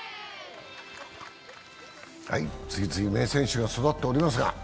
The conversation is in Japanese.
次々名選手が育っておりますが。